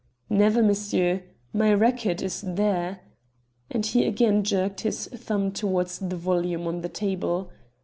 "Never, monsieur. My record is there." And he again jerked his thumb towards the volume on the table.